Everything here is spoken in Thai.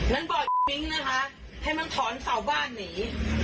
นั้นบอกปิ๊งนะคะให้มันถอนเสาบ้านหนี